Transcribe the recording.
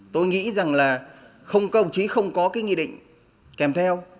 tôi nghĩ rằng là không có chứ không có cái nghị định kèm theo